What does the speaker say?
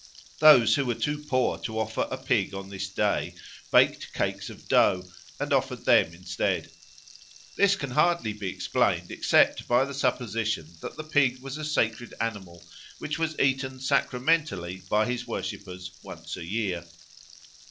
Those who were too poor to offer a pig on this day baked cakes of dough, and offered them instead. This can hardly be explained except by the supposition that the pig was a sacred animal which was eaten sacramentally by his worshippers once a year.